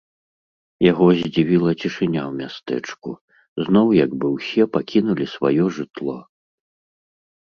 Яго здзівіла цішыня ў мястэчку, зноў як бы ўсе пакінулі сваё жытло.